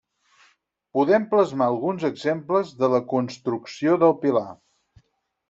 Podem plasmar alguns exemples de la construcció del pilar.